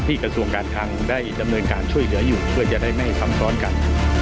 กระทรวงการคังได้ดำเนินการช่วยเหลืออยู่เพื่อจะได้ไม่ซ้ำซ้อนกัน